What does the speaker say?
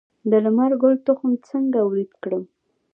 د لمر ګل تخم څنګه وریت کړم؟